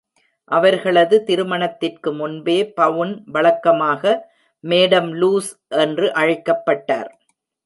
அவர்களது திருமணத்திற்கு முன்பே பவுன் வழக்கமாக "மேடம் லூஸ்" என்று அழைக்கப்பட்டார்.